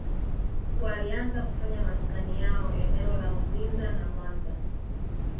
Walianza kufanya maskani yao eneo la Uzinza na Mwanza